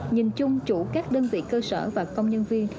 nhìn chung chủ các đơn vị cơ sở và công nhân viên